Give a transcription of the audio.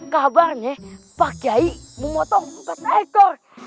kabarnya pak yai mau motong empat ekor